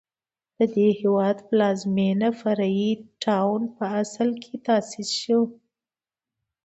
د دې هېواد پلازمېنه فري ټاون په اصل کې تاسیس شوه.